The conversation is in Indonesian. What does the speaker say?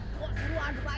bos gua ada lain